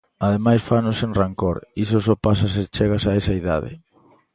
Ademais faino sen rancor: iso só pasa se chegas a esa idade.